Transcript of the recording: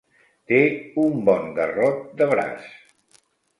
Té un bon garrot de braç.